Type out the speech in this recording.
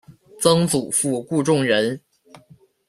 曾祖父顾仲仁。